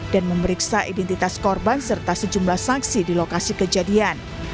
dan memeriksa identitas korban serta sejumlah saksi di lokasi kejadian